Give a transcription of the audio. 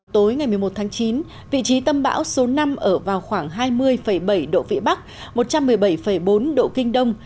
tối ngày một mươi một tháng chín vị trí tâm bão số năm ở vào khoảng hai mươi bảy độ vĩ bắc một trăm một mươi bảy bốn độ kinh đông